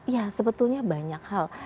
ya sebetulnya banyak hal